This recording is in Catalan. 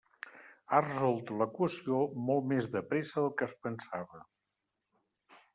Ha resolt l'equació molt més de pressa del que es pensava.